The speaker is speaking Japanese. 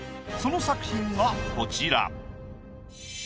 その作品がこちら。